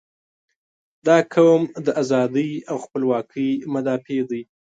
• دا قوم د ازادۍ او خپلواکۍ مدافع دی.